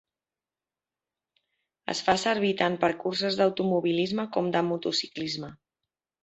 Es fa servir tant per curses d'automobilisme com de motociclisme.